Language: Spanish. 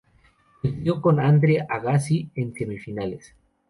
Perdió con Andre Agassi en semifinales.